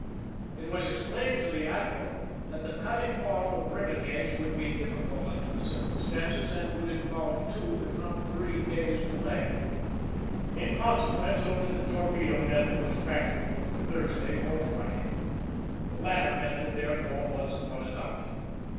It was explained to the admiral that the cutting off of rivet heads would be difficult under the cir cumstances and would involve two, if not three, days' delay; in consequence only the torpedo method was practicable for Thursday or Friday. The latter method, therefore, was the one adopted.